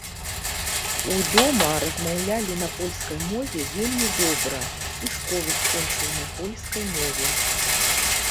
У дома размаўлялі на польскай мове вельмі добра, і школу скончыў на польскай мове.